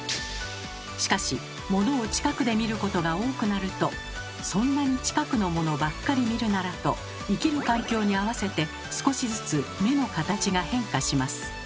しかしモノを近くで見ることが多くなると「そんなに近くのものばっかり見るなら」と生きる環境に合わせて少しずつ目の形が変化します。